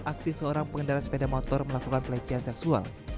aksi seorang pengendara sepeda motor melakukan pelecehan seksual